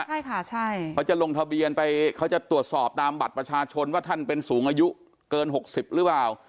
ใช่ค่ะใช่เขาจะลงทะเบียนไปเขาจะตรวจสอบตามบัตรประชาชนว่าท่านเป็นสูงอายุเกิน๖๐หรือเปล่า